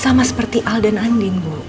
sama seperti al dan andin